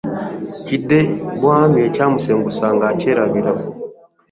Kiidde bwami ekyamusengusanga akyerabira .